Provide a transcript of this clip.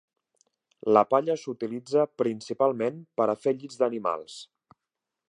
La palla s'utilitza principalment per a fer llits d'animals.